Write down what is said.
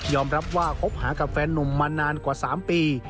รับว่าคบหากับแฟนนุ่มมานานกว่า๓ปี